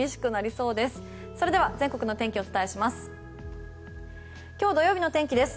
それでは全国の天気をお伝えします。